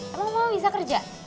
emang mama bisa kerja